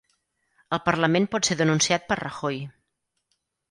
El parlament pot ser denunciat per Rajoy